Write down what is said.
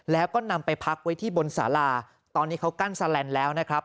แล้วก็นำไปพักไว้ที่บนสาราตอนนี้เขากั้นแลนด์แล้วนะครับ